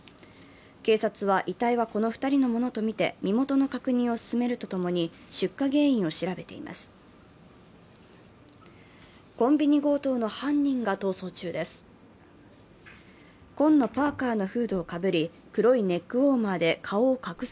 警察は、遺体はこの２人のものとみて、身元の確認を進めるとともに出火原因を調べています。